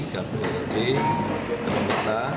kampungnya b dan mata